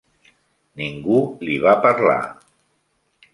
Ningú li va parlar.